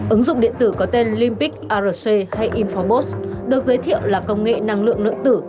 ứng dụng điện tử có tên limbic arc hay infomode được giới thiệu là công nghệ năng lượng lượng tử